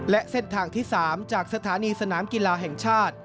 และเส้นทางที่๓จากสถานีสนามกีฬาแห่งชาติ